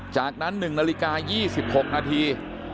จากนั้น๑นาฬิกา๒๖นาที